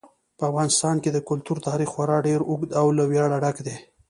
په افغانستان کې د کلتور تاریخ خورا ډېر اوږد او له ویاړه ډک دی.